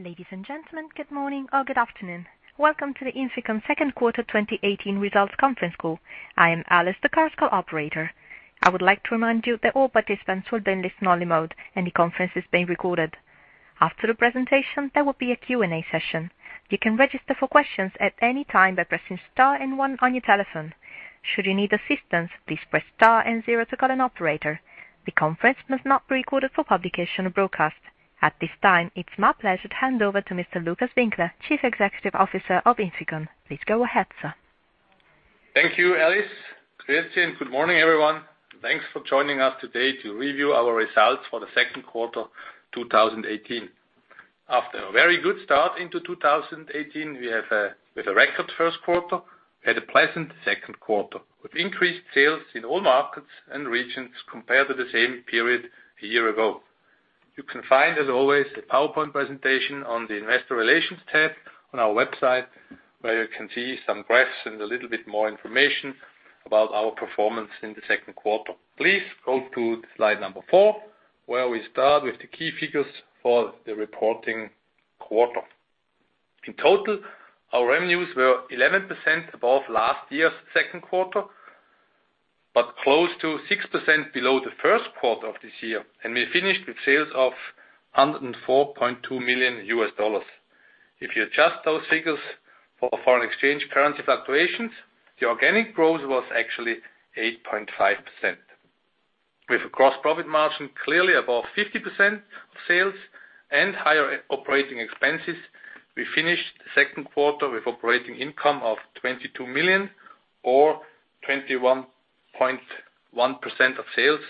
Ladies and gentlemen, good morning or good afternoon. Welcome to the INFICON second quarter 2018 results conference call. I am Alice, the clerical operator. I would like to remind you that all participants will be in listen-only mode, and the conference is being recorded. After the presentation, there will be a Q&A session. You can register for questions at any time by pressing star and one on your telephone. Should you need assistance, please press star and zero to get an operator. The conference must not be recorded for publication or broadcast. At this time, it is my pleasure to hand over to Mr. Lukas Winkler, Chief Executive Officer of INFICON. Please go ahead, sir. Thank you, Alice. Christian, good morning, everyone, thanks for joining us today to review our results for the second quarter 2018. After a very good start into 2018, we have a record first quarter and a pleasant second quarter with increased sales in all markets and regions compared to the same period a year ago. You can find, as always, the PowerPoint presentation on the investor relations tab on our website, where you can see some graphs and a little bit more information about our performance in the second quarter. Please go to slide number four, where we start with the key figures for the reporting quarter. In total, our revenues were 11% above last year's second quarter, but close to 6% below the first quarter of this year, we finished with sales of $104.2 million. If you adjust those figures for foreign exchange currency fluctuations, the organic growth was actually 8.5%. With a gross profit margin clearly above 50% of sales and higher operating expenses, we finished the second quarter with operating income of $22 million or 21.1% of sales,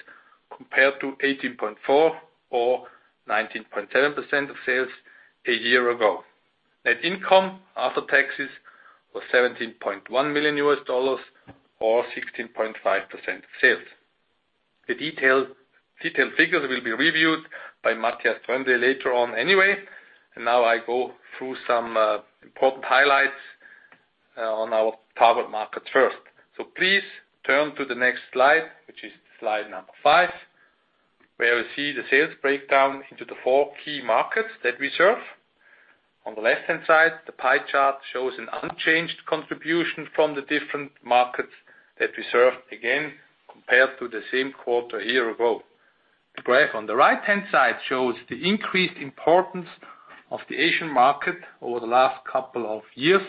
compared to $18.4 million or 19.7% of sales a year ago. Net income after taxes was $17.1 million or 16.5% of sales. The detailed figures will be reviewed by Matthias Troendle later on anyway. Now I go through some important highlights on our target market first. Please turn to the next slide, which is slide number five, where we see the sales breakdown into the four key markets that we serve. On the left-hand side, the pie chart shows an unchanged contribution from the different markets that we serve, again, compared to the same quarter a year ago. The graph on the right-hand side shows the increased importance of the Asian market over the last couple of years,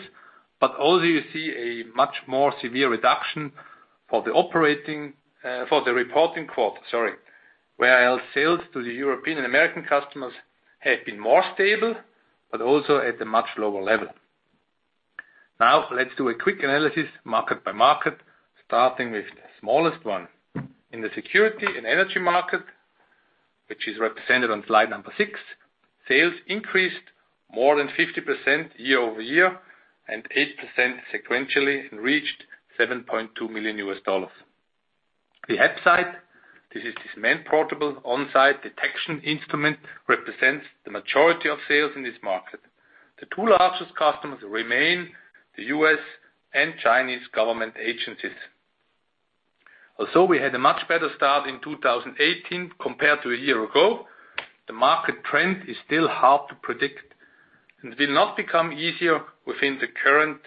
also you see a much more severe reduction for the reporting quarter. Where our sales to the European and American customers have been more stable but also at a much lower level. Now, let's do a quick analysis, market by market, starting with the smallest one. In the security and energy market, which is represented on slide number six, sales increased more than 50% year-over-year and 8% sequentially, reached $7.2 million. The HAPSITE, this is this man portable on-site detection instrument, represents the majority of sales in this market. The two largest customers remain the U.S. and Chinese government agencies. Although we had a much better start in 2018 compared to a year ago, the market trend is still hard to predict and will not become easier within the current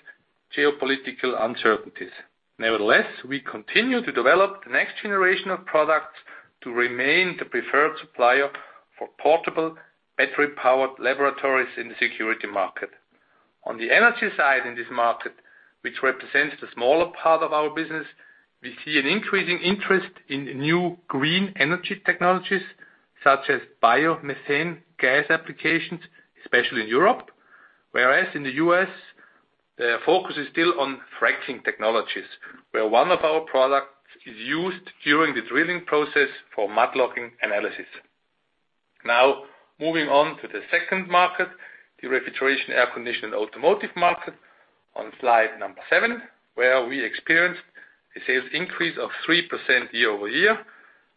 geopolitical uncertainties. Nevertheless, we continue to develop the next generation of products to remain the preferred supplier for portable battery-powered laboratories in the security market. On the energy side in this market, which represents the smaller part of our business, we see an increasing interest in new green energy technologies, such as biomethane gas applications, especially in Europe. Whereas in the U.S., the focus is still on fracking technologies, where one of our products is used during the drilling process for mud logging analysis. Moving on to the second market, the refrigeration, air condition, and automotive market on slide number seven, where we experienced a sales increase of 3% year-over-year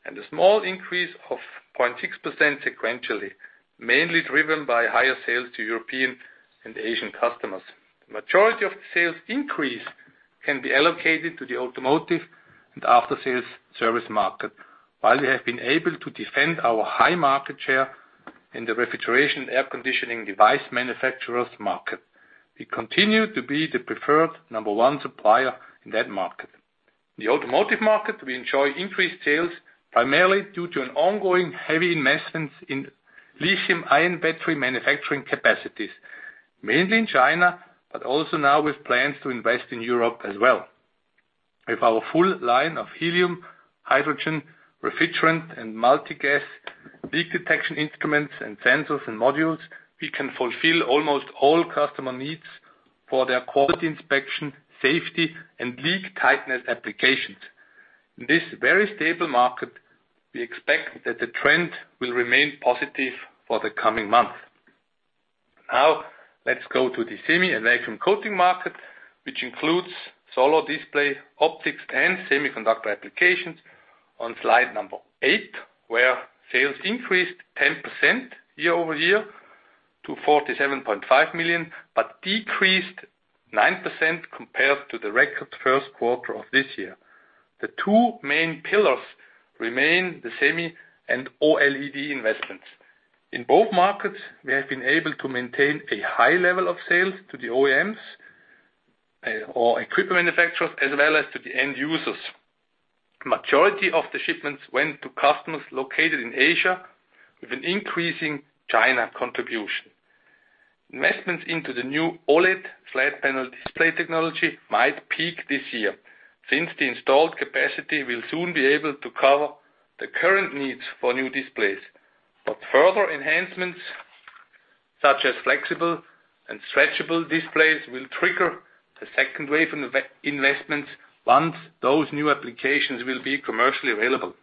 and a small increase of 0.6% sequentially, mainly driven by higher sales to European and Asian customers. The majority of the sales increase can be allocated to the automotive and after-sales service market, while we have been able to defend our high market share in the refrigeration air conditioning device manufacturer's market. We continue to be the preferred number one supplier in that market. In the automotive market, we enjoy increased sales, primarily due to an ongoing heavy investment in lithium-ion battery manufacturing capacities, mainly in China, but also now with plans to invest in Europe as well. With our full line of helium, hydrogen, refrigerant, and multi-gas leak detection instruments and sensors and modules, we can fulfill almost all customer needs for their quality inspection, safety, and leak tightness applications. In this very stable market, we expect that the trend will remain positive for the coming months. Let's go to the semi and vacuum coating market, which includes solar display, optics, and semiconductor applications on slide number eight, where sales increased 10% year-over-year to $47.5 million, but decreased 9% compared to the record first quarter of this year. The two main pillars remain the semi and OLED investments. In both markets, we have been able to maintain a high level of sales to the OEMs or equipment manufacturers, as well as to the end users. Majority of the shipments went to customers located in Asia with an increasing China contribution. Investments into the new OLED flat panel display technology might peak this year, since the installed capacity will soon be able to cover the current needs for new displays. Further enhancements such as flexible and stretchable displays will trigger the second wave of investments once those new applications will be commercially available.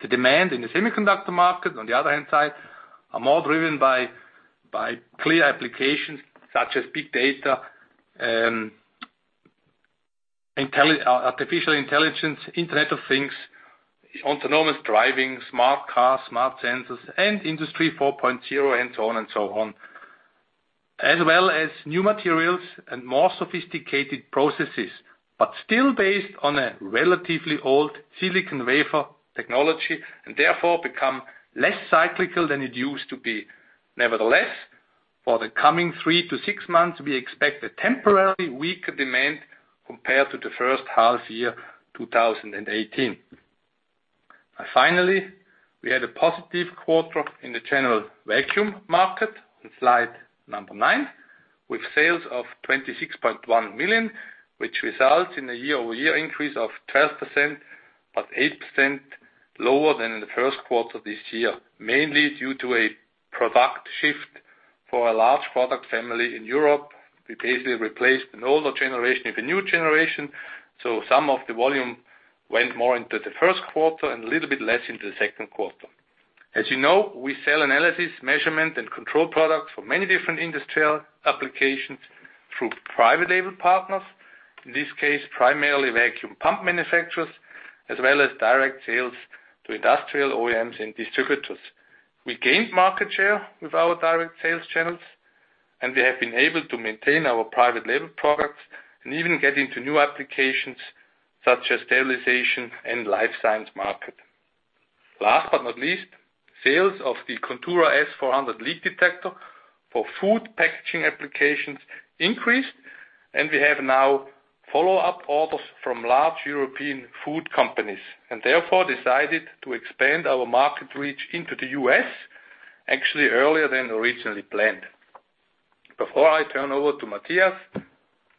The demand in the semiconductor market, on the other hand side, are more driven by clear applications such as big data, artificial intelligence, Internet of Things, autonomous driving, smart cars, smart sensors, and Industry 4.0, and so on. As well as new materials and more sophisticated processes, but still based on a relatively old silicon wafer technology, and therefore become less cyclical than it used to be. Nevertheless, for the coming three to six months, we expect a temporarily weaker demand compared to the first half year 2018. Finally, we had a positive quarter in the general vacuum market in slide number nine, with sales of $26.1 million, which results in a year-over-year increase of 12%. Eight percent lower than in the first quarter this year, mainly due to a product shift for a large product family in Europe. We basically replaced an older generation with a new generation. Some of the volume went more into the first quarter and a little bit less into the second quarter. As you know, we sell analysis, measurement, and control products for many different industrial applications through private label partners. In this case, primarily vacuum pump manufacturers, as well as direct sales to industrial OEMs and distributors. We gained market share with our direct sales channels. We have been able to maintain our private label products and even get into new applications such as sterilization and life science market. Last but not least, sales of the Contura S400 leak detector for food packaging applications increased. We have now follow-up orders from large European food companies. Therefore decided to expand our market reach into the U.S., actually earlier than originally planned. Before I turn over to Matthias,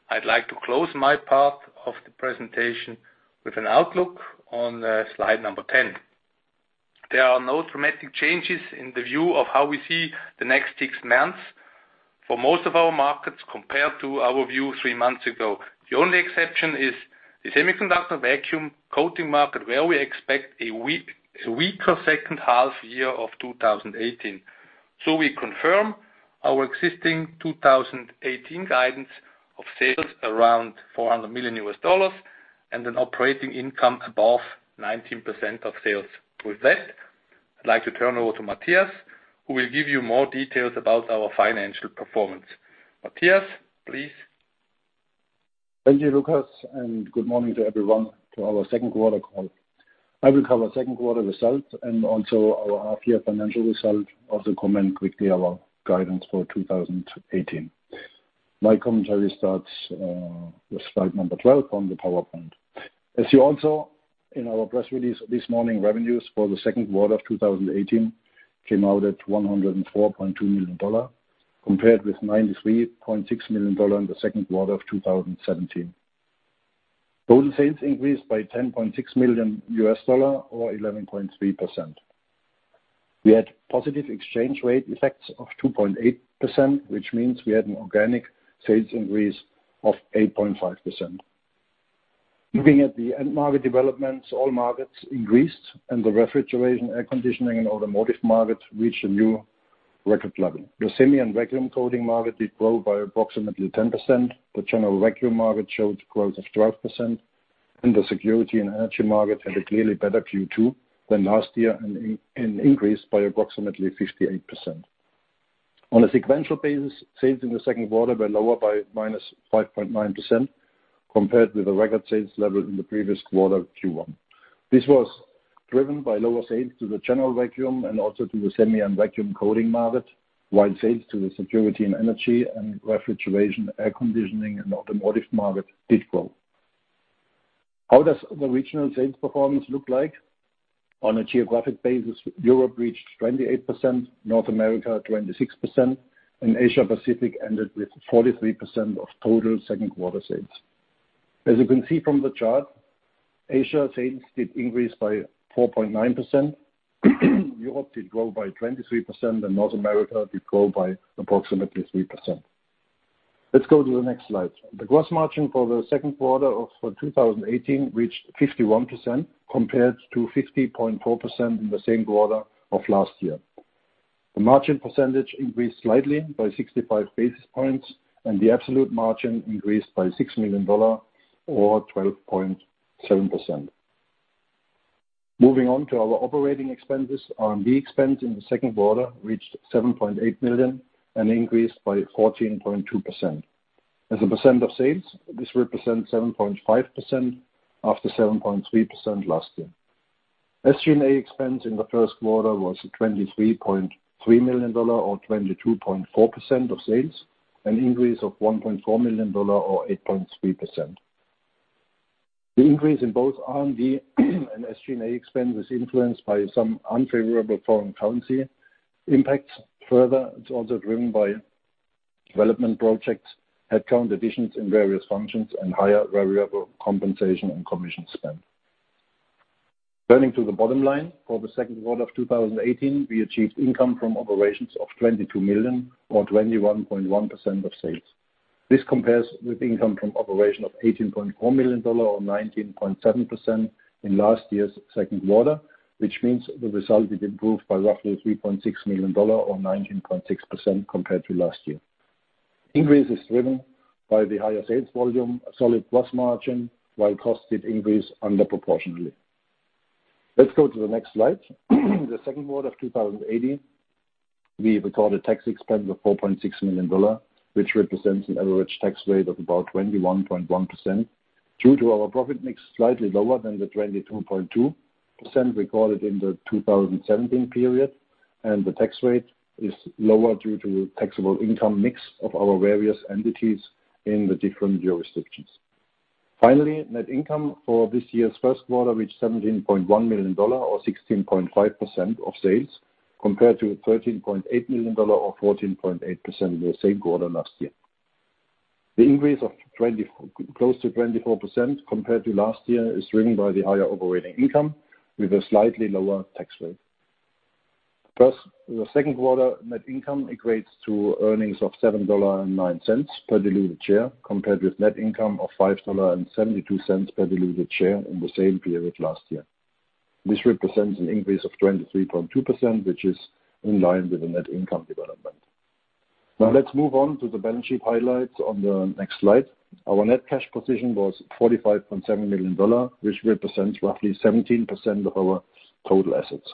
I'd like to close my part of the presentation with an outlook on slide number 10. There are no dramatic changes in the view of how we see the next six months for most of our markets compared to our view three months ago. The only exception is the semiconductor vacuum coating market, where we expect a weaker second half year of 2018. We confirm our existing 2018 guidance of sales around $400 million, and an operating income above 19% of sales. With that, I'd like to turn over to Matthias, who will give you more details about our financial performance. Matthias, please. Thank you, Lukas, and good morning to everyone to our second quarter call. I will cover second quarter results and also our half year financial result, also comment quickly our guidance for 2018. My commentary starts with slide number 12 on the PowerPoint. As you saw in our press release this morning, revenues for the second quarter of 2018 came out at $104.2 million compared with $93.6 million in the second quarter of 2017. Total sales increased by $10.6 million or 11.3%. We had positive exchange rate effects of 2.8%, which means we had an organic sales increase of 8.5%. Looking at the end market developments, all markets increased. The refrigeration, air conditioning, and automotive markets reached a new record level. The semi and vacuum coating market did grow by approximately 10%. The general vacuum market showed growth of 12%. The security and energy market had a clearly better Q2 than last year and increased by approximately 58%. On a sequential basis, sales in the second quarter were lower by -5.9% compared with the record sales level in the previous quarter, Q1. This was driven by lower sales to the general vacuum and also to the semi and vacuum coating market, while sales to the security and energy and refrigeration, air conditioning, and automotive market did grow. How does the regional sales performance look like? On a geographic basis, Europe reached 28%, North America 26%. Asia Pacific ended with 43% of total second quarter sales. As you can see from the chart, Asia sales did increase by 4.9%. Europe did grow by 23%. North America did grow by approximately 3%. Let's go to the next slide. The gross margin for the second quarter of 2018 reached 51% compared to 50.4% in the same quarter of last year. The margin percentage increased slightly by 65 basis points. The absolute margin increased by $6 million or 12.7%. Moving on to our operating expenses. R&D expense in the second quarter reached $7.8 million and increased by 14.2%. As a percent of sales, this represents 7.5% after 7.3% last year. SG&A expense in the first quarter was $23.3 million or 22.4% of sales, an increase of $1.4 million or 8.3%. The increase in both R&D and SG&A expense is influenced by some unfavorable foreign currency impacts. It's also driven by development projects, headcount additions in various functions, and higher variable compensation and commission spend. Turning to the bottom line, for the second quarter of 2018, we achieved income from operations of $22 million or 21.1% of sales. This compares with income from operation of $18.4 million or 19.7% in last year's second quarter, which means the result is improved by roughly $3.6 million or 19.6% compared to last year. The increase is driven by the higher sales volume, a solid gross margin, while costs did increase under proportionally. Let's go to the next slide. In the second quarter of 2018, we recorded tax expense of $4.6 million, which represents an average tax rate of about 21.1% due to our profit mix slightly lower than the 22.2% recorded in the 2017 period. The tax rate is lower due to taxable income mix of our various entities in the different jurisdictions. Net income for this year's first quarter reached $17.1 million or 16.5% of sales, compared to $13.8 million or 14.8% in the same quarter last year. The increase of close to 24% compared to last year is driven by the higher operating income with a slightly lower tax rate. The second quarter net income equates to earnings of $7.09 per diluted share compared with net income of $5.72 per diluted share in the same period last year. This represents an increase of 23.2%, which is in line with the net income development. Let's move on to the balance sheet highlights on the next slide. Our net cash position was $45.7 million, which represents roughly 17% of our total assets.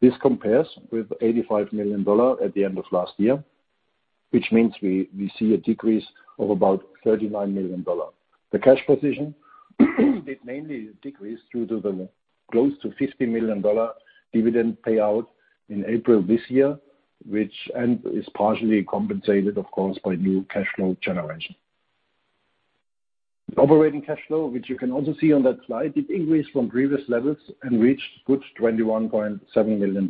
This compares with $85 million at the end of last year, which means we see a decrease of about $39 million. The cash position did mainly decrease due to the close to $50 million dividend payout in April this year and is partially compensated, of course, by new cash flow generation. The operating cash flow, which you can also see on that slide, did increase from previous levels and reached good $21.7 million.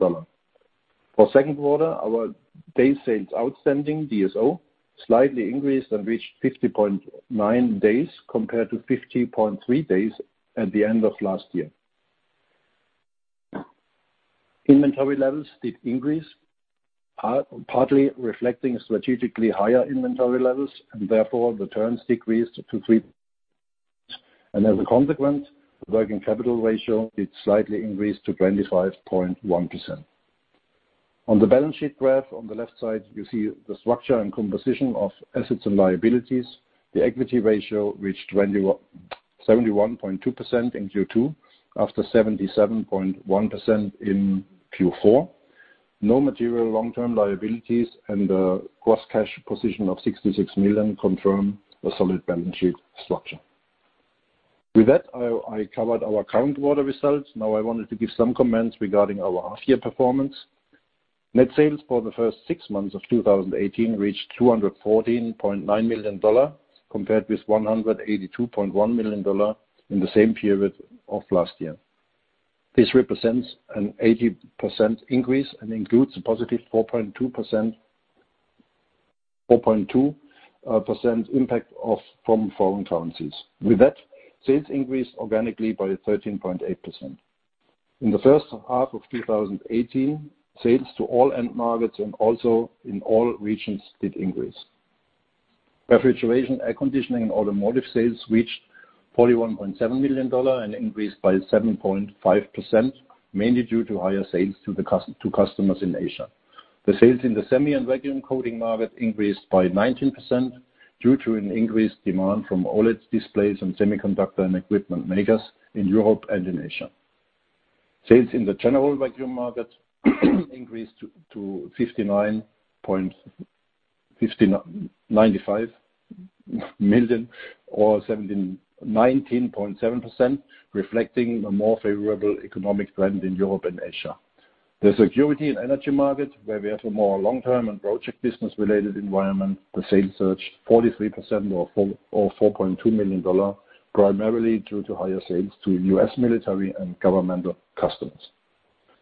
For second quarter, our days sales outstanding, DSO, slightly increased and reached 50.9 days compared to 50.3 days at the end of last year. Inventory levels did increase, partly reflecting strategically higher inventory levels, and therefore the turns decreased to three. As a consequence, working capital ratio did slightly increase to 25.1%. On the balance sheet graph, on the left side, you see the structure and composition of assets and liabilities. The equity ratio reached 71.2% in Q2 after 77.1% in Q4. No material long-term liabilities and a gross cash position of $66 million confirm a solid balance sheet structure. With that, I covered our current quarter results. Now I wanted to give some comments regarding our half-year performance. Net sales for the first six months of 2018 reached $214.9 million, compared with $182.1 million in the same period of last year. This represents an 18% increase and includes a positive 4.2% impact from foreign currencies. With that, sales increased organically by 13.8%. In the first half of 2018, sales to all end markets and also in all regions did increase. Refrigeration, air conditioning, and automotive sales reached $41.7 million and increased by 7.5%, mainly due to higher sales to customers in Asia. The sales in the semi and vacuum coating market increased by 19% due to an increased demand from OLED displays and semiconductor and equipment makers in Europe and in Asia. Sales in the general vacuum market increased to $59.95 million or 19.7%, reflecting a more favorable economic trend in Europe and Asia. The security and energy market, where we have a more long-term and project business related environment, the sales surged 43% or $4.2 million, primarily due to higher sales to U.S. military and governmental customers.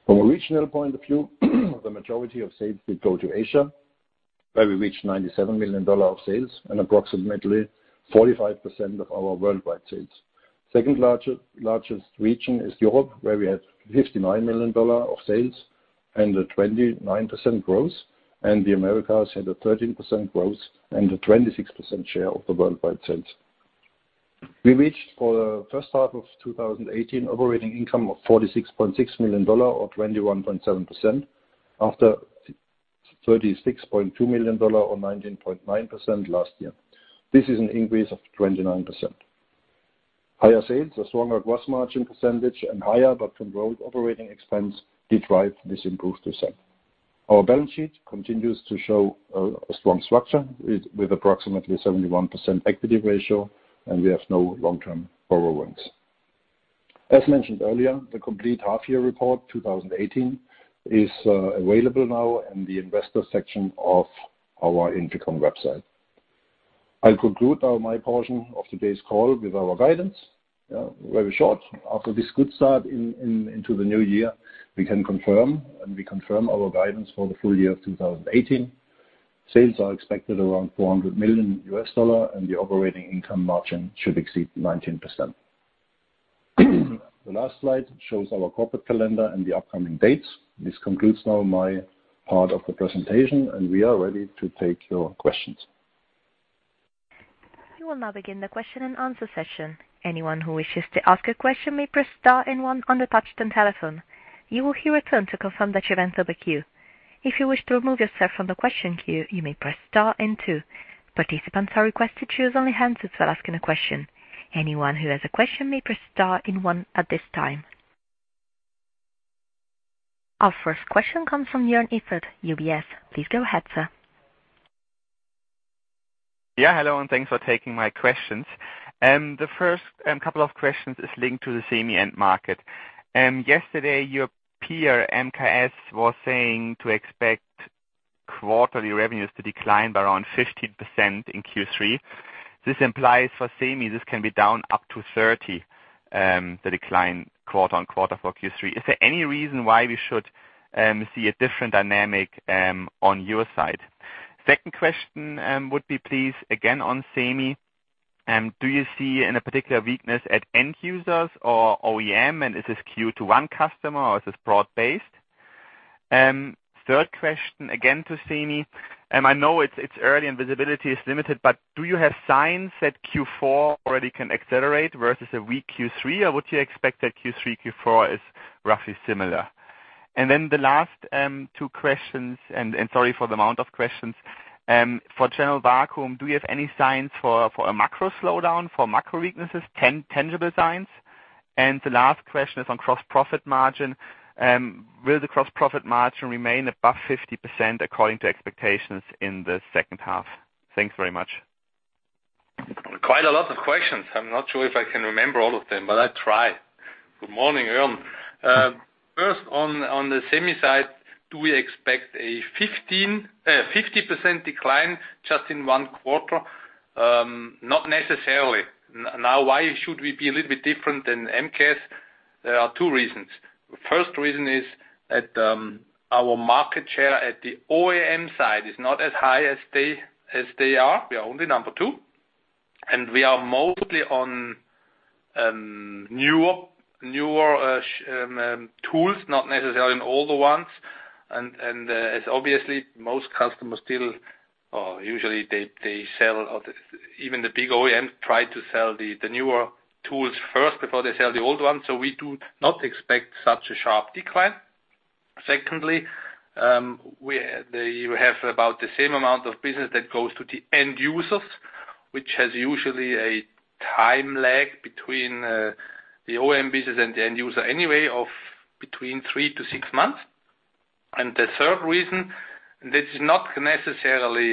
From a regional point of view, the majority of sales did go to Asia, where we reached $97 million of sales and approximately 45% of our worldwide sales. Second-largest region is Europe, where we had $59 million of sales and a 29% growth, and the Americas had a 13% growth and a 26% share of the worldwide sales. We reached for the first half of 2018, operating income of $46.6 million or 21.7% after $36.2 million or 19.9% last year. This is an increase of 29%. Higher sales, a stronger gross margin percentage, and higher but controlled operating expense did drive this improved result. Our balance sheet continues to show a strong structure with approximately 71% equity ratio. We have no long-term borrowings. As mentioned earlier, the complete half-year report 2018 is available now in the investor section of our INFICON website. I'll conclude now my portion of today's call with our guidance. Very short. After this good start into the new year, we can confirm and we confirm our guidance for the full year of 2018. Sales are expected around $400 million. The operating income margin should exceed 19%. The last slide shows our corporate calendar and the upcoming dates. This concludes now my part of the presentation. We are ready to take your questions. We will now begin the question and answer session. Anyone who wishes to ask a question may press star and one on the touchtone telephone. You will hear a tone to confirm that you've entered the queue. If you wish to remove yourself from the question queue, you may press star and two. Participants are requested to use only handsets while asking a question. Anyone who has a question may press star and one at this time. Our first question comes from Jörn Iffland, UBS. Please go ahead, sir. Hello, and thanks for taking my questions. The first couple of questions is linked to the semi end market. Yesterday, your peer MKS was saying to expect quarterly revenues to decline by around 50% in Q3. This implies for semi, this can be down up to 30% the decline quarter-on-quarter for Q3. Is there any reason why we should see a different dynamic on your side? Second question would be please, again on semi. Do you see any particular weakness at end users or OEM, and is this Q to one customer or is this broad-based? Third question again to semi. I know it's early and visibility is limited, but do you have signs that Q4 already can accelerate versus a weak Q3, or would you expect that Q3, Q4 is roughly similar? The last two questions, and sorry for the amount of questions. For general vacuum, do you have any signs for a macro slowdown, for macro weaknesses, tangible signs? The last question is on gross profit margin. Will the gross profit margin remain above 50% according to expectations in the second half? Thanks very much. Quite a lot of questions. I'm not sure if I can remember all of them, but I'll try. Good morning, Jörn. First on the semi side, do we expect a 50% decline just in one quarter? Not necessarily. Now why should we be a little bit different than MKS? There are two reasons. The first reason is that our market share at the OEM side is not as high as they are. We are only number two, and we are mostly on newer tools, not necessarily on older ones. As obviously Even the big OEM try to sell the newer tools first before they sell the old one. We do not expect such a sharp decline. Secondly, you have about the same amount of business that goes to the end users, which has usually a time lag between the OEM business and the end user anyway of between three to six months. The third reason, this is not necessarily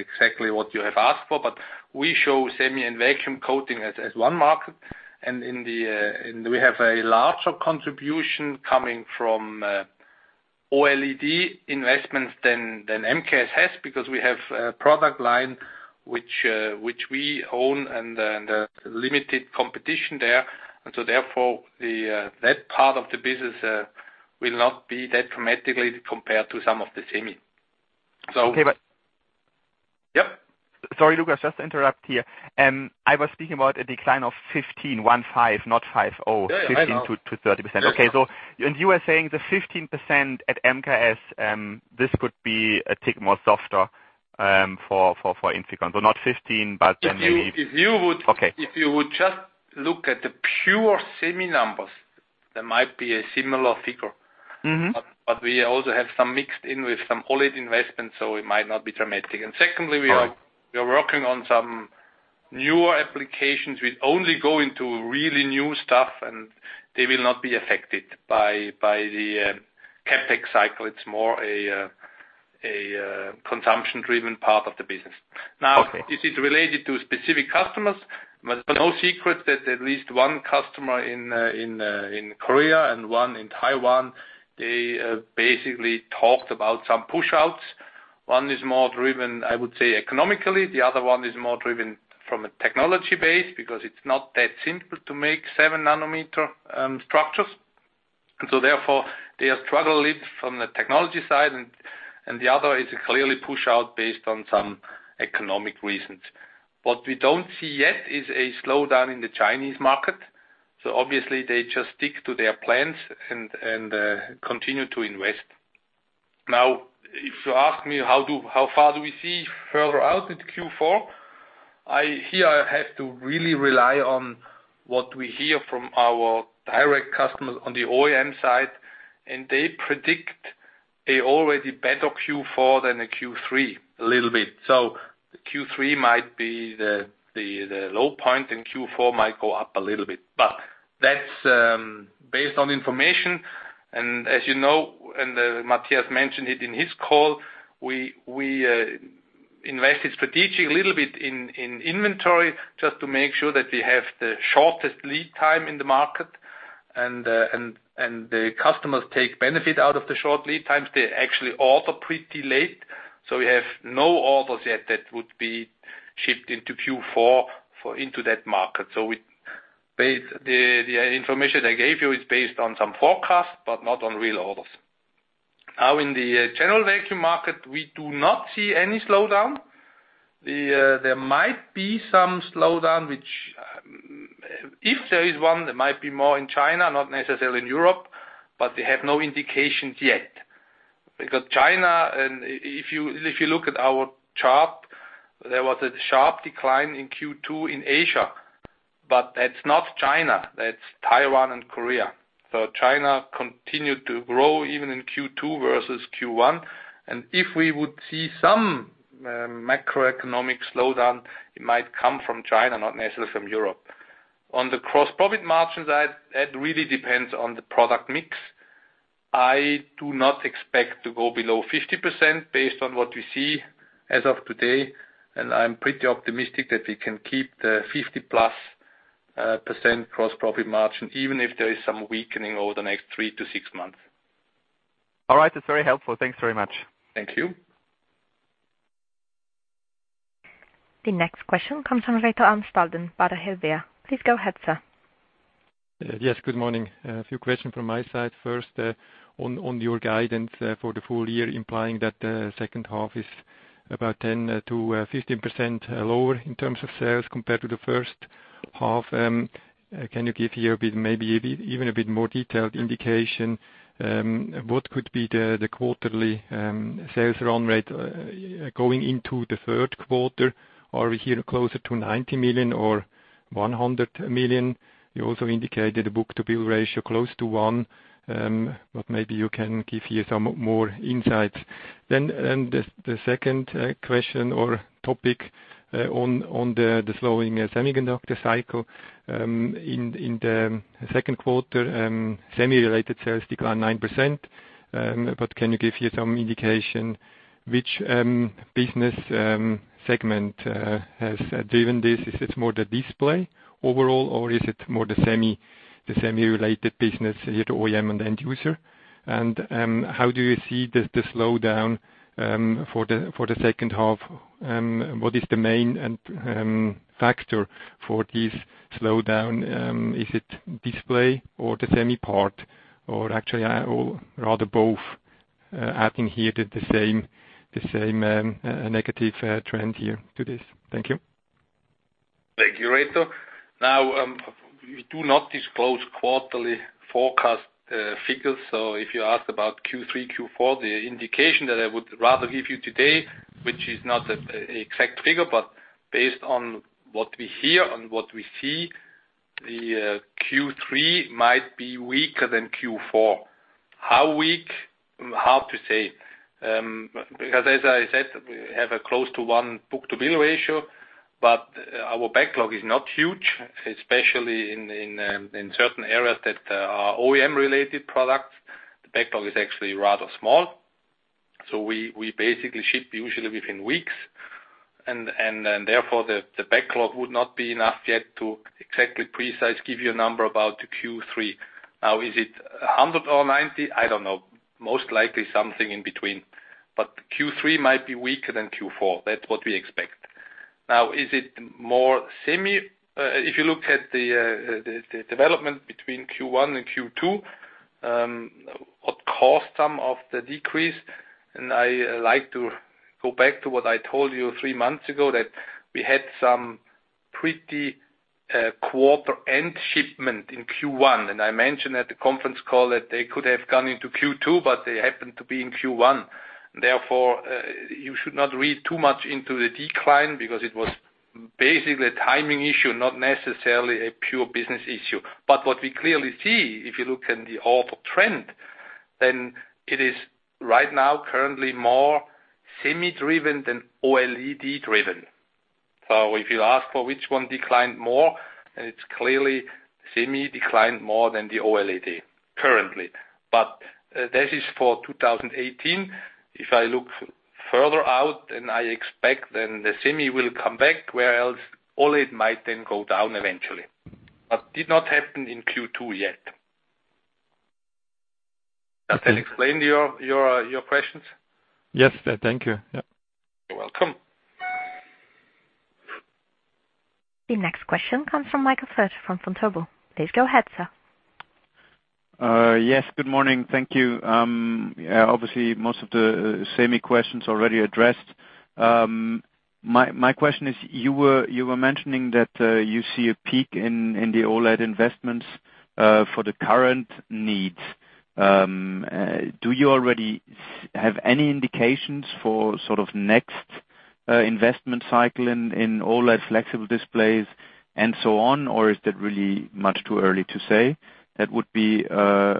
exactly what you have asked for, but we show semi and vacuum coating as one market. We have a larger contribution coming from OLED investments than MKS has because we have a product line which we own and the limited competition there. Therefore that part of the business will not be that dramatically compared to some of the semi. Okay. Yep. Sorry, Lukas, just to interrupt here. I was speaking about a decline of 15, one five, not five. Yeah, I know. 15%-30%. Yeah. Okay. You were saying the 15% at MKS, this could be a tick more softer for INFICON. Not 15, maybe. If you would. Okay. If you would just look at the pure semi numbers, there might be a similar figure. We also have some mixed in with some OLED investments, so it might not be dramatic. Secondly, we are working on some newer applications which only go into really new stuff, and they will not be affected by the CapEx cycle. It's more a consumption-driven part of the business. Okay. This is related to specific customers, but no secret that at least one customer in Korea and one in Taiwan, they basically talked about some push outs. One is more driven, I would say, economically, the other one is more driven from a technology base because it's not that simple to make 7 nm structures. Therefore they are struggling from the technology side, and the other is a clearly push out based on some economic reasons. What we don't see yet is a slowdown in the Chinese market. Obviously they just stick to their plans and continue to invest. If you ask me how far do we see further out into Q4? Here I have to really rely on what we hear from our direct customers on the OEM side, they predict an already better Q4 than a Q3, a little bit. The Q3 might be the low point and Q4 might go up a little bit. That's based on information, and as you know, and Matthias mentioned it in his call, we invested strategically a little bit in inventory just to make sure that we have the shortest lead time in the market and the customers take benefit out of the short lead times. They actually order pretty late, so we have no orders yet that would be shipped into Q4 into that market. The information I gave you is based on some forecasts, but not on real orders. In the general vacuum market, we do not see any slowdown. There might be some slowdown, which if there is one, there might be more in China, not necessarily in Europe, but we have no indications yet. China, and if you look at our chart, there was a sharp decline in Q2 in Asia, but that's not China. That's Taiwan and Korea. China continued to grow even in Q2 versus Q1. If we would see some macroeconomic slowdown, it might come from China, not necessarily from Europe. On the gross profit margins, that really depends on the product mix. I do not expect to go below 50% based on what we see as of today, and I'm pretty optimistic that we can keep the 50-plus % gross profit margin, even if there is some weakening over the next three to six months. All right. That's very helpful. Thanks very much. Thank you. The next question comes from Reto Amstalden, Baader Helvea. Please go ahead, sir. Yes, good morning. A few questions from my side. First, on your guidance for the full year implying that the second half is about 10%-15% lower in terms of sales compared to the first half. Can you give here maybe even a bit more detailed indication what could be the quarterly sales run rate going into the third quarter? Are we here closer to $90 million or $100 million? You also indicated a book-to-bill ratio close to one. Maybe you can give here some more insights. The second question or topic on the slowing semiconductor cycle. In the second quarter, semi-related sales declined 9%. Can you give here some indication which business segment has driven this? Is this more the display overall, or is it more the semi-related business here to OEM and end user? How do you see the slowdown for the second half? What is the main factor for this slowdown? Is it display or the semi part, or actually rather both adding here the same negative trend here to this? Thank you. Thank you, Reto. We do not disclose quarterly forecast figures. If you ask about Q3, Q4, the indication that I would rather give you today, which is not an exact figure, but based on what we hear and what we see, the Q3 might be weaker than Q4. How weak? Hard to say. As I said, we have a close to one book-to-bill ratio, but our backlog is not huge, especially in certain areas that are OEM related products. The backlog is actually rather small. We basically ship usually within weeks, and therefore the backlog would not be enough yet to exactly precise give you a number about Q3. Is it 100 or 90? I don't know. Most likely something in between. Q3 might be weaker than Q4. That's what we expect. Is it more semi? If you look at the development between Q1 and Q2, what caused some of the decrease, and I like to go back to what I told you three months ago, that we had some pretty quarter end shipment in Q1. I mentioned at the conference call that they could have gone into Q2, but they happened to be in Q1. Therefore, you should not read too much into the decline because it was basically a timing issue, not necessarily a pure business issue. What we clearly see, if you look in the order trend, then it is right now currently more semi-driven than OLED-driven. If you ask for which one declined more, then it's clearly semi declined more than the OLED currently. This is for 2018. If I look further out, I expect the semi will come back, whereas OLED might then go down eventually. Did not happen in Q2 yet. Does that explain your questions? Yes, thank you. You're welcome. The next question comes from Michael Furter from Vontobel. Please go ahead, sir. Yes, good morning. Thank you. Obviously, most of the semi questions already addressed. My question is, you were mentioning that you see a peak in the OLED investments for the current needs. Do you already have any indications for next investment cycle in OLED flexible displays and so on, or is that really much too early to say? That would be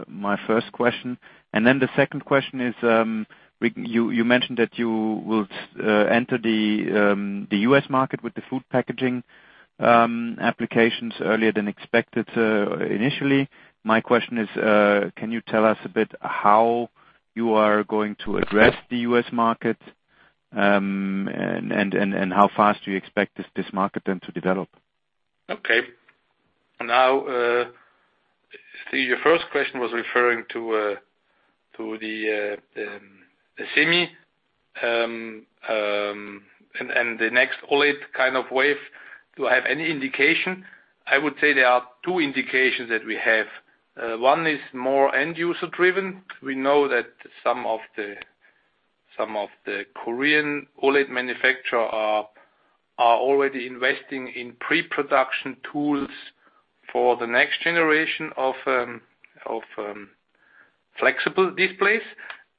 my first question. The second question is, you mentioned that you will enter the U.S. market with the food packaging applications earlier than expected initially. My question is, can you tell us a bit how you are going to address the U.S. market, and how fast do you expect this market then to develop? Okay. Now, your first question was referring to the semi, and the next OLED kind of wave. Do I have any indication? I would say there are two indications that we have. One is more end-user driven. We know that some of the Korean OLED manufacturer are already investing in pre-production tools for the next generation of flexible displays.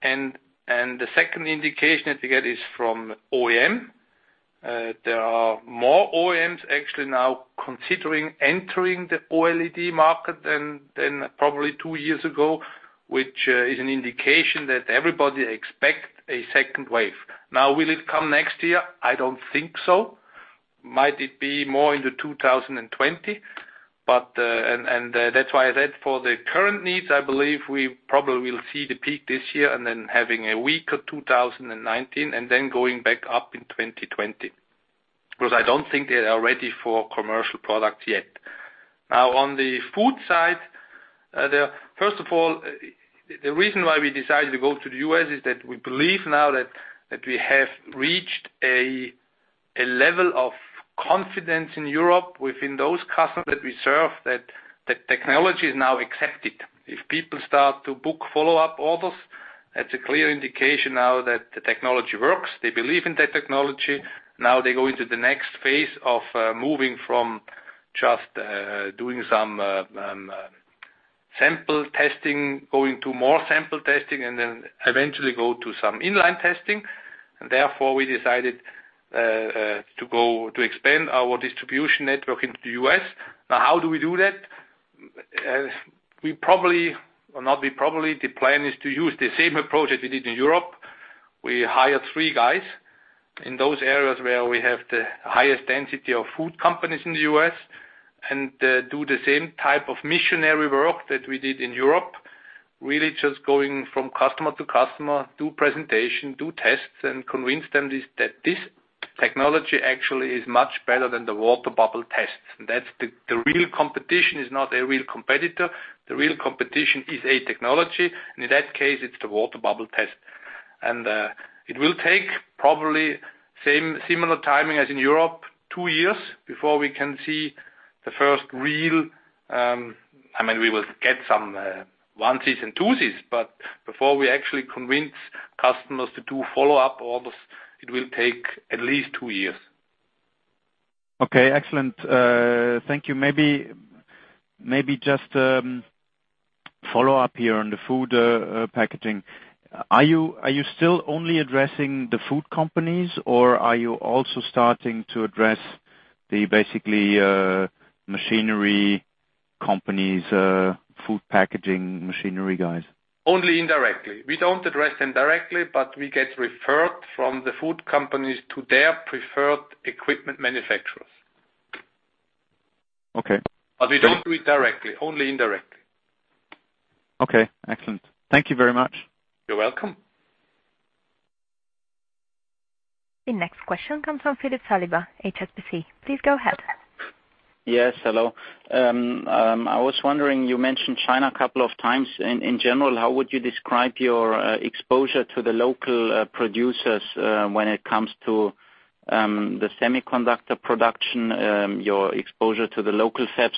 The second indication that we get is from OEM. There are more OEMs actually now considering entering the OLED market than probably two years ago, which is an indication that everybody expects a second wave. Now, will it come next year? I don't think so. Might it be more into 2020? That's why I said for the current needs, I believe we probably will see the peak this year, then having a weaker 2019, then going back up in 2020, because I don't think they are ready for commercial product yet. Now, on the food side, first of all, the reason why we decided to go to the U.S. is that we believe now that we have reached a level of confidence in Europe within those customers that we serve, that technology is now accepted. If people start to book follow-up orders, that's a clear indication now that the technology works. They believe in that technology. Now they go into the next phase of moving from just doing some sample testing, going to more sample testing, then eventually go to some inline testing. Therefore, we decided to expand our distribution network into the U.S. Now, how do we do that? The plan is to use the same approach as we did in Europe. We hire three guys in those areas where we have the highest density of food companies in the U.S., and do the same type of missionary work that we did in Europe, really just going from customer to customer, do presentation, do tests, and convince them that this technology actually is much better than the water bubble tests. The real competition is not a real competitor. The real competition is a technology, and in that case, it's the water bubble test. It will take probably similar timing as in Europe, two years before we can see the first real. We will get some onesies and twosies, but before we actually convince customers to do follow-up orders, it will take at least two years. Okay, excellent. Thank you. Maybe just follow up here on the food packaging. Are you still only addressing the food companies, or are you also starting to address the basically machinery companies, food packaging machinery guys? Only indirectly. We don't address them directly, we get referred from the food companies to their preferred equipment manufacturers. Okay. We don't do it directly, only indirectly. Okay. Excellent. Thank you very much. You're welcome. The next question comes from Philip Saliba, HSBC. Please go ahead. Yes, hello. I was wondering, you mentioned China a couple of times. In general, how would you describe your exposure to the local producers when it comes to the semiconductor production, your exposure to the local steps?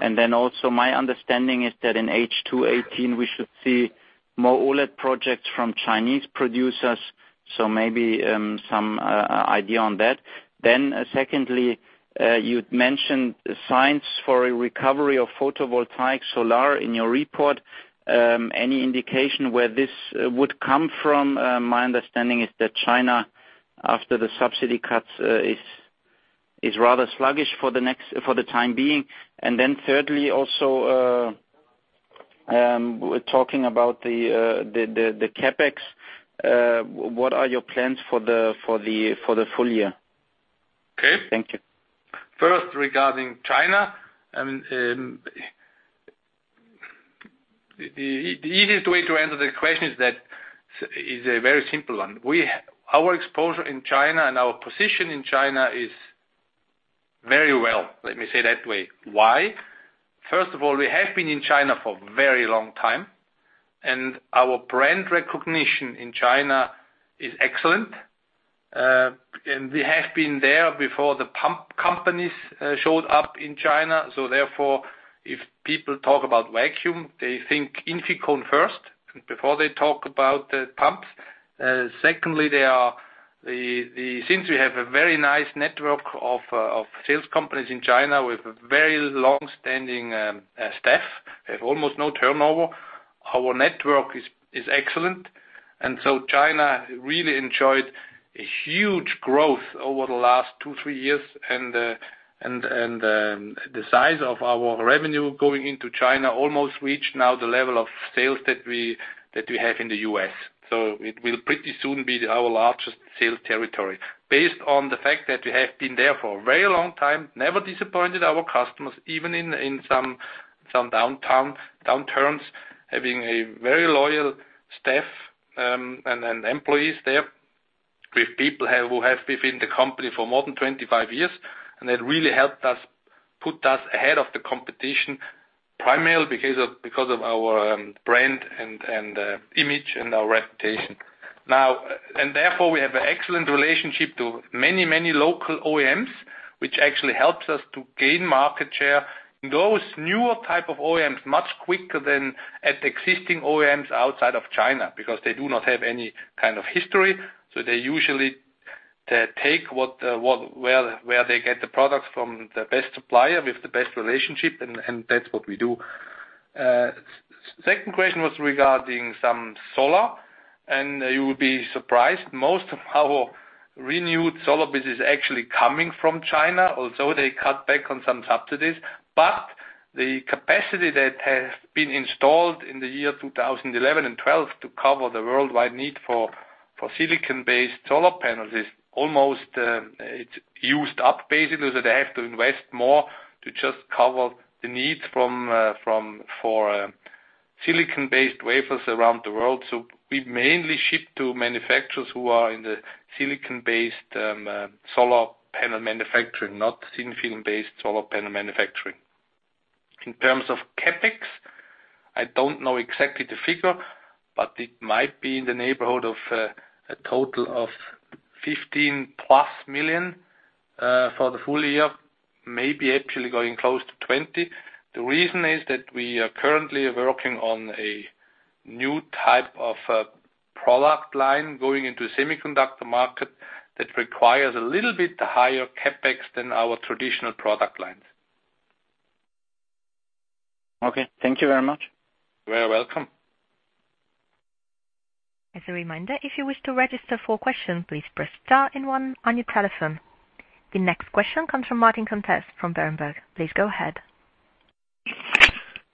My understanding is that in H2 2018, we should see more OLED projects from Chinese producers. Maybe some idea on that. Secondly, you'd mentioned signs for a recovery of photovoltaic solar in your report. Any indication where this would come from? My understanding is that China, after the subsidy cuts, is rather sluggish for the time being. Thirdly also, talking about the CapEx, what are your plans for the full year? Okay. Thank you. First, regarding China. The easiest way to answer the question is a very simple one. Our exposure in China and our position in China is very well, let me say that way. Why? First of all, we have been in China for a very long time, and our brand recognition in China is excellent. We have been there before the pump companies showed up in China. Therefore, if people talk about vacuum, they think INFICON first before they talk about pumps. Secondly, since we have a very nice network of sales companies in China with very longstanding staff, we have almost no turnover. Our network is excellent. China really enjoyed a huge growth over the last two, three years. The size of our revenue going into China almost reached now the level of sales that we have in the U.S. It will pretty soon be our largest sales territory. Based on the fact that we have been there for a very long time, never disappointed our customers, even in some downturns, having a very loyal staff and employees there with people who have been in the company for more than 25 years, and that really helped us put us ahead of the competition, primarily because of our brand and image and our reputation. Therefore, we have an excellent relationship to many local OEMs, which actually helps us to gain market share in those newer type of OEMs much quicker than at existing OEMs outside of China, because they do not have any kind of history. They usually take where they get the products from the best supplier with the best relationship, and that's what we do. Second question was regarding some solar, and you would be surprised most of our renewed solar business actually coming from China, although they cut back on some subsidies. The capacity that has been installed in the year 2011 and 2012 to cover the worldwide need for silicon-based solar panels is almost. It's used up basically, so they have to invest more to just cover the needs for silicon-based wafers around the world. We mainly ship to manufacturers who are in the silicon-based solar panel manufacturing, not thin film-based solar panel manufacturing. In terms of CapEx, I don't know exactly the figure, but it might be in the neighborhood of a total of $15+ million for the full year, maybe actually going close to $20 million. The reason is that we are currently working on a new type of product line going into semiconductor market that requires a little bit higher CapEx than our traditional product lines. Okay. Thank you very much. You are welcome. As a reminder, if you wish to register for questions, please press star and one on your telephone. The next question comes from Martin Comtesse from Berenberg. Please go ahead.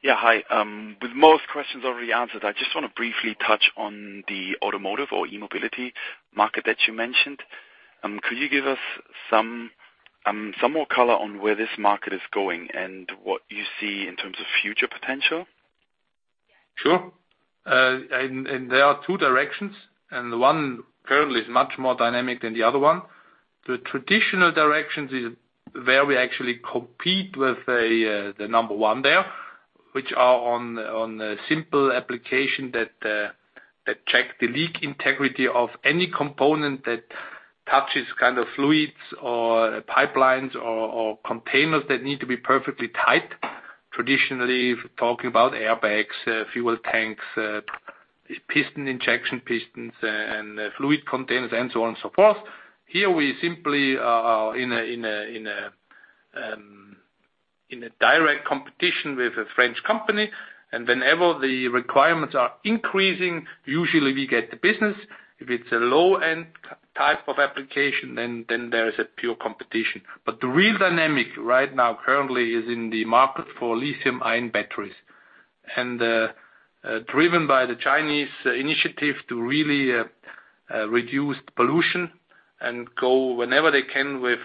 Yeah. Hi. With most questions already answered, I just want to briefly touch on the automotive or e-mobility market that you mentioned. Could you give us some more color on where this market is going and what you see in terms of future potential? Sure. There are two directions, and one currently is much more dynamic than the other one. The traditional direction is where we actually compete with the number one there, which are on a simple application that check the leak integrity of any component that touches fluids or pipelines or containers that need to be perfectly tight. Traditionally, talking about airbags, fuel tanks, fuel injection pistons, and fluid containers and so on and so forth. Here we simply are in a direct competition with a French company, and whenever the requirements are increasing, usually we get the business. If it's a low-end type of application, then there is a pure competition. The real dynamic right now currently is in the market for lithium-ion batteries, and driven by the Chinese initiative to really reduce pollution and go whenever they can with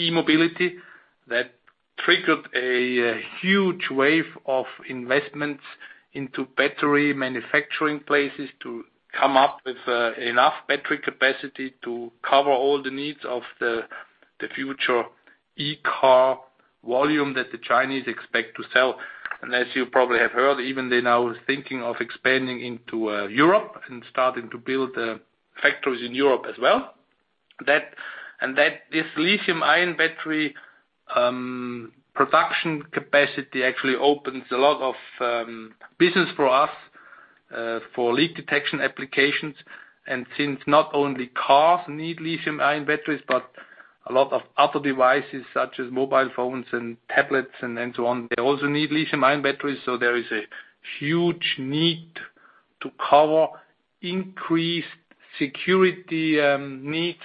e-mobility. That triggered a huge wave of investments into battery manufacturing places to come up with enough battery capacity to cover all the needs of the future e-car volume that the Chinese expect to sell. As you probably have heard, even they now are thinking of expanding into Europe and starting to build factories in Europe as well. This lithium-ion battery production capacity actually opens a lot of business for us for leak detection applications. Since not only cars need lithium-ion batteries, but a lot of other devices such as mobile phones and tablets and so on, they also need lithium-ion batteries. There is a huge need to cover increased security needs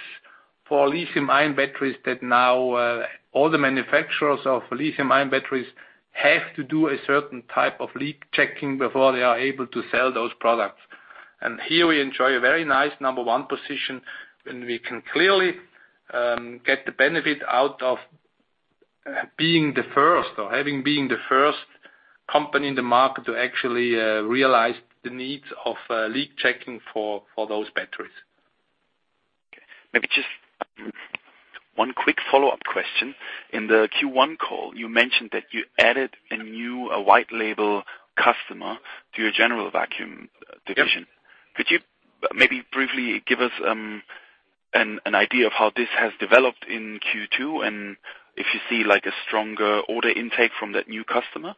for lithium-ion batteries that now all the manufacturers of lithium-ion batteries have to do a certain type of leak checking before they are able to sell those products. Here we enjoy a very nice number one position when we can clearly get the benefit out of being the first or having been the first company in the market to actually realize the needs of leak checking for those batteries. Okay. Maybe just one quick follow-up question. In the Q1 call, you mentioned that you added a new white label customer to your general vacuum division. Yep. Could you maybe briefly give us an idea of how this has developed in Q2, and if you see a stronger order intake from that new customer?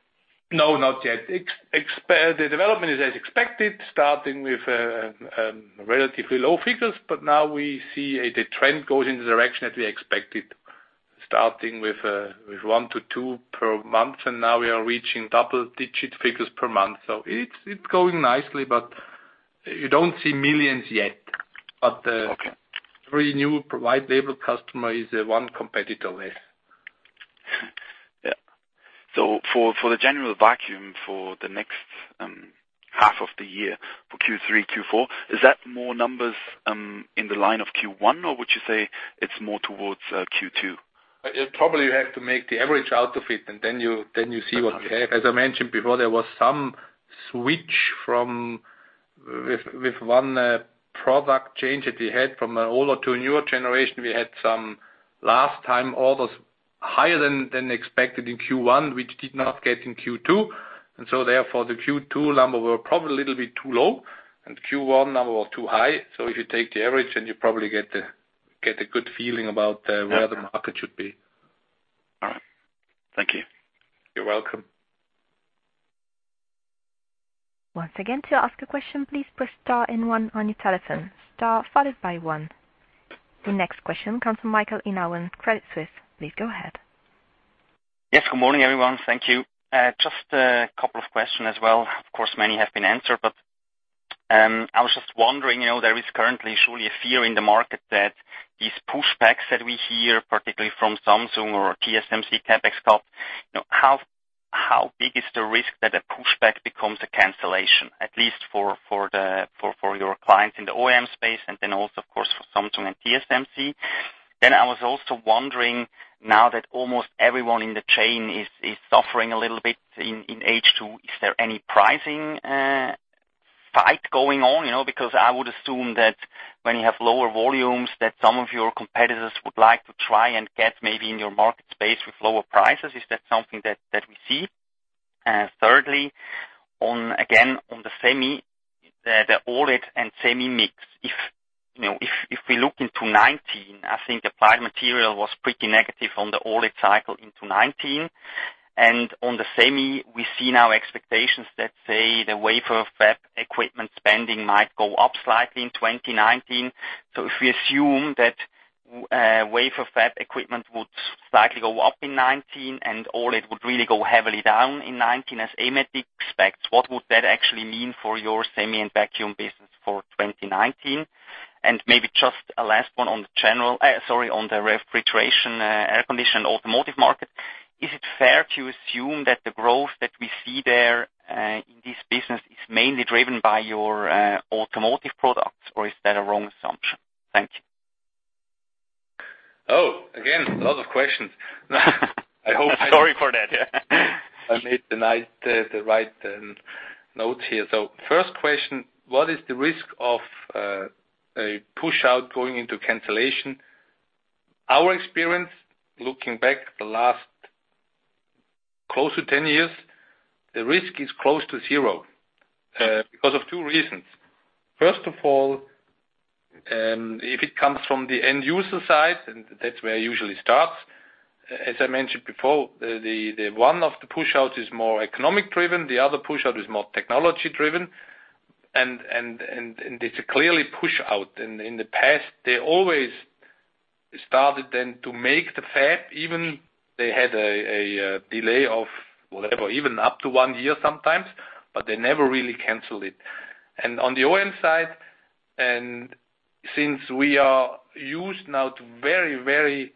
No, not yet. The development is as expected, starting with relatively low figures. Now we see the trend goes in the direction that we expected, starting with one to two per month, and now we are reaching double-digit figures per month. It's going nicely, but you don't see millions yet. Okay. Every new white label customer is one competitor less. Yeah. For the general vacuum for the next half of the year, for Q3, Q4, is that more numbers in the line of Q1, or would you say it's more towards Q2? Probably you have to make the average out of it. Then you see what you have. As I mentioned before, there was some switch with one product change that we had from an older to a newer generation. We had some last time orders higher than expected in Q1, which did not get in Q2. Therefore the Q2 numbers were probably a little bit too low, and Q1 number was too high. If you take the average, then you probably get a good feeling about where the market should be. All right. Thank you. You're welcome. Once again, to ask a question, please press star and one on your telephone. Star followed by one. The next question comes from Michael Foeth, Credit Suisse. Please go ahead. Yes, good morning, everyone. Thank you. Just a couple of questions as well. Of course, many have been answered. I was just wondering, there is currently surely a fear in the market that these pushbacks that we hear, particularly from Samsung or TSMC CapEx cut, how big is the risk that a pushback becomes a cancellation, at least for your clients in the OEM space and then also, of course, for Samsung and TSMC? I was also wondering now that almost everyone in the chain is suffering a little bit in H2, is there any pricing fight going on? I would assume that when you have lower volumes that some of your competitors would like to try and get maybe in your market space with lower prices. Is that something that we see? Thirdly, again, on the OLED and semi mix, if we look into 2019, I think Applied Materials was pretty negative on the OLED cycle into 2019. On the semi, we see now expectations that say the wafer fab equipment spending might go up slightly in 2019. If we assume that wafer fab equipment would slightly go up in 2019 and OLED would really go heavily down in 2019 as Applied Materials expects, what would that actually mean for your semi and vacuum business for 2019? Maybe just a last one on the refrigeration, air condition, automotive market. Is it fair to assume that the growth that we see there in this business is mainly driven by your automotive products, or is that a wrong assumption? Thank you. Oh, again, a lot of questions. Sorry for that. I made the right notes here. First question, what is the risk of a push-out going into cancellation? Our experience, looking back the last close to 10 years, the risk is close to zero, because of two reasons. First of all, if it comes from the end user side, that's where it usually starts. As I mentioned before, one of the push-outs is more economic driven, the other push-out is more technology driven. It's clearly push out. In the past, they always started then to make the fab, even they had a delay of whatever, even up to one year sometimes, but they never really canceled it. On the OEM side, since we are used now to very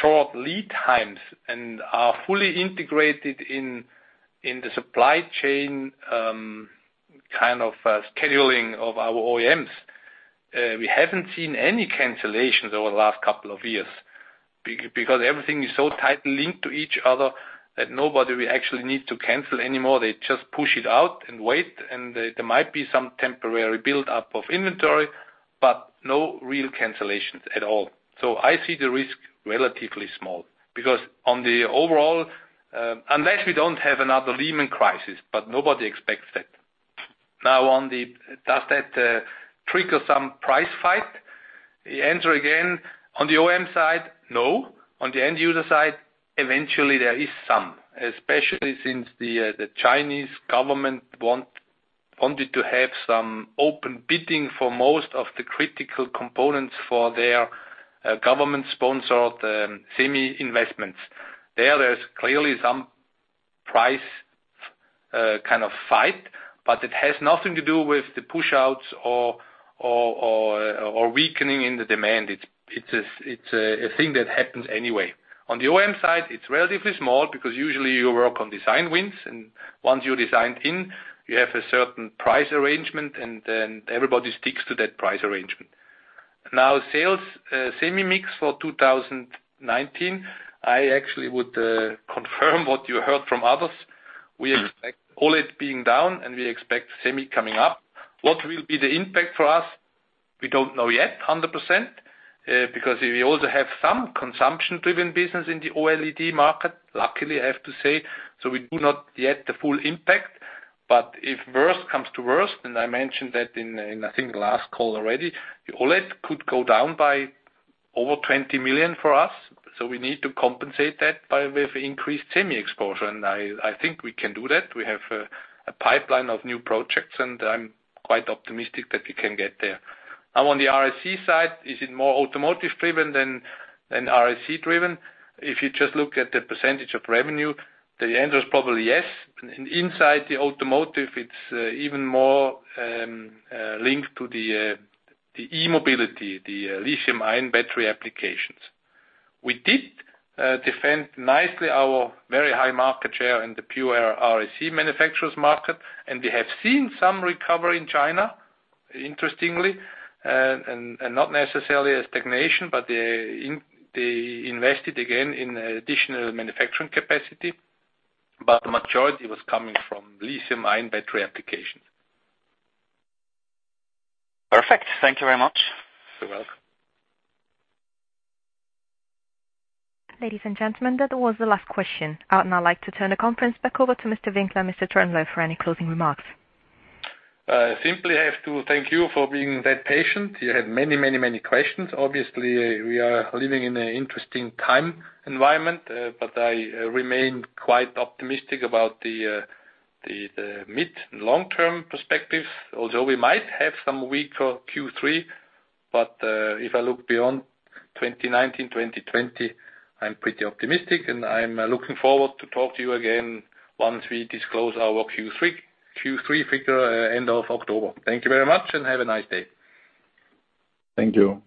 short lead times and are fully integrated in the supply chain scheduling of our OEMs, we haven't seen any cancellations over the last couple of years. Everything is so tightly linked to each other that nobody will actually need to cancel anymore. They just push it out and wait, and there might be some temporary build-up of inventory, but no real cancellations at all. I see the risk relatively small. On the overall, unless we don't have another Lehman crisis, but nobody expects that. Does that trigger some price fight? The answer again, on the OEM side, no. On the end user side, eventually there is some. Especially since the Chinese government wanted to have some open bidding for most of the critical components for their government-sponsored semi investments. There's clearly some price fight, but it has nothing to do with the push-outs or weakening in the demand. It's a thing that happens anyway. On the OEM side, it's relatively small because usually you work on design wins, and once you design in, you have a certain price arrangement, then everybody sticks to that price arrangement. Sales semi mix for 2019, I actually would confirm what you heard from others. We expect OLED being down, and we expect semi coming up. What will be the impact for us? We don't know yet 100%, because we also have some consumption-driven business in the OLED market. Luckily, I have to say. We do not yet the full impact. If worse comes to worst, and I mentioned that in, I think last call already, OLED could go down by over $20 million for us, we need to compensate that with increased semi exposure. I think we can do that. We have a pipeline of new projects, I'm quite optimistic that we can get there. On the RAC side, is it more automotive driven than RAC driven? If you just look at the percentage of revenue, the answer is probably yes. Inside the automotive, it's even more linked to the e-mobility, the lithium-ion battery applications. We did defend nicely our very high market share in the pure RAC manufacturers market, we have seen some recovery in China, interestingly, not necessarily a stagnation, they invested again in additional manufacturing capacity. The majority was coming from lithium-ion battery applications. Perfect. Thank you very much. You're welcome. Ladies and gentlemen, that was the last question. I would now like to turn the conference back over to Mr. Winkler and Mr. Troendle for any closing remarks. I simply have to thank you for being that patient. You had many questions. Obviously, we are living in an interesting time environment. I remain quite optimistic about the mid- and long-term perspective. Although we might have some weaker Q3, but if I look beyond 2019, 2020, I'm pretty optimistic, and I'm looking forward to talk to you again once we disclose our Q3 figure end of October. Thank you very much and have a nice day. Thank you.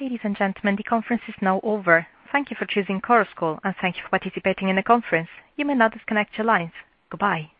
Ladies and gentlemen, the conference is now over. Thank you for choosing Chorus Call, and thank you for participating in the conference. You may now disconnect your lines. Goodbye.